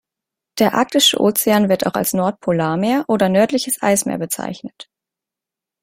Der Arktische Ozean, wird auch als Nordpolarmeer oder nördliches Eismeer bezeichnet.